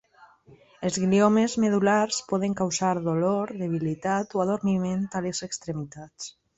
Els gliomes medul·lars poden causar dolor, debilitat o adormiment a les extremitats.